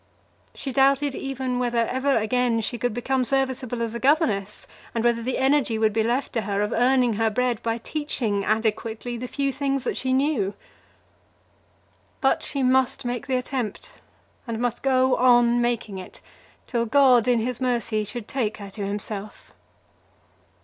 She doubted even whether ever again she could become serviceable as a governess, and whether the energy would be left to her of earning her bread by teaching adequately the few things that she knew. But she must make the attempt, and must go on making it, till God in his mercy should take her to himself.